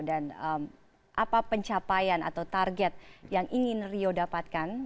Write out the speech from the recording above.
dan apa pencapaian atau target yang ingin rio dapatkan